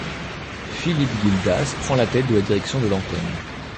Philippe Gildas prend la tête de la direction de l'antenne.